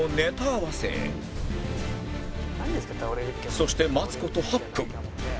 そして待つ事８分